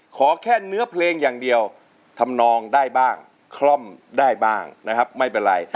ขอแค่เนื้อเพลงอย่างเดียวทำนองได้บ้างคล่อมได้บ้างนะครับไม่เป็นไร